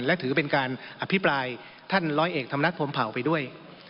และถือเป็นการอภิปรายท่านร้อยเอกธรรมนัฐพรมเผาไปด้วย